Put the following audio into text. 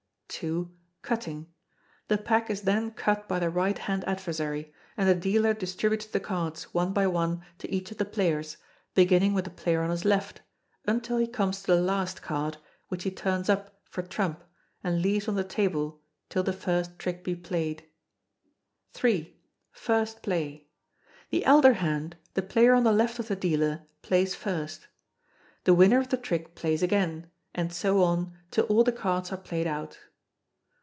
ii. Cutting. The pack is then cut by the right hand adversary; and the dealer distributes the cards, one by one, to each of the players, beginning with the player on his left, until he comes to the last card, which he turns up for trump, and leaves on the table till the first trick be played. iii. First Play. The elder hand, the player on the left of the dealer, plays first. The winner of the trick plays again; and so on, till all the cards are played out.